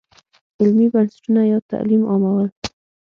علمي بنسټونه یا تعلیم عامول.